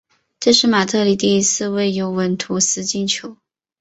这是马特里第一次为尤文图斯进球。